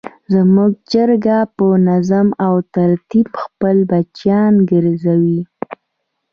زموږ چرګه په نظم او ترتیب خپل بچیان ګرځوي.